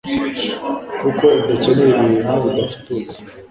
kuko udakeneye ibintu bidafututse